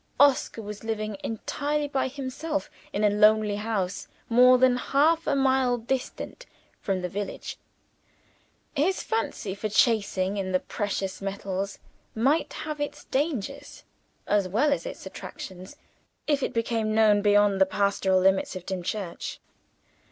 Oscar was living, entirely by himself, in a lonely house, more than half a mile distant from the village. His fancy for chasing in the precious metals might have its dangers, as well as its attractions, if it became known beyond the pastoral limits of Dimchurch.